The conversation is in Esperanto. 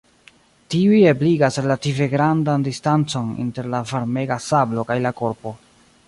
Tiuj ebligas relative grandan distancon inter la varmega sablo kaj la korpo.